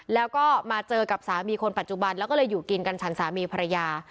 แล้วก็มาเจอกับสามีคนปัจจุบันแล้วก็เลยอยู่กินกันฉันสามีภรรยา